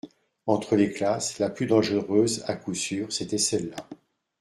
Entre les classes, la plus dangereuse, à coup sûr, c'était celle-là.